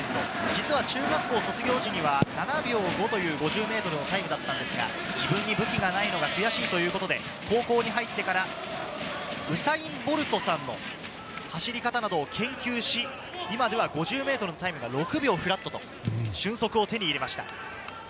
実は中学校卒業時には７秒５という５０ｍのタイムだったんですが、自分に武器がないのが悔しいということで、高校に入ってからウサイン・ボルトさんの走り方などを研究し、今では５０ｍタイムが６秒フラットという俊足を手に入れました。